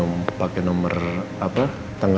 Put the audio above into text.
oh tuhan apa harinya